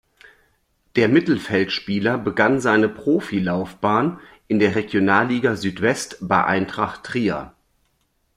Der Mittelfeldspieler begann seine Profilaufbahn in der Regionalliga Südwest bei Eintracht Trier.